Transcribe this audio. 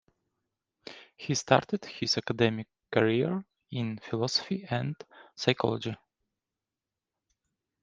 He started his academic career in philosophy and psychology.